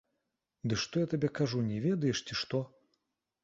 Ды што я табе кажу, не ведаеш, ці што?